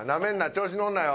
調子乗るなよ。